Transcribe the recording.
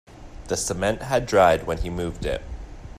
The cement had dried when he moved it.